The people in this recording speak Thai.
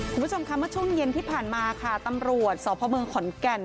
คุณผู้ชมค่ะเมื่อช่วงเย็นที่ผ่านมาค่ะตำรวจสพเมืองขอนแก่น